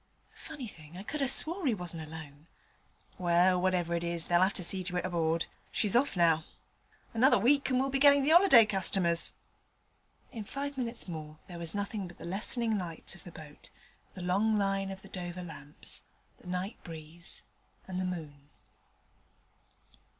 Funny thing: I could 'a' swore 'e wasn't alone. Well, whatever it was, they'll 'ave to see to it aboard. She's off now. Another week and we shall be gettin' the 'oliday customers.' In five minutes more there was nothing but the lessening lights of the boat, the long line of the Dover lamps, the night breeze, and the moon.